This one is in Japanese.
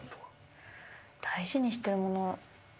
大事にしてるもの。